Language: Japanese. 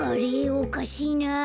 おかしいなあ。